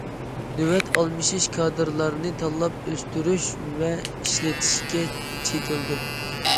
نۆۋەت ئالمىشىش كادىرلارنى تاللاپ ئۆستۈرۈش ۋە ئىشلىتىشكە چېتىلىدۇ.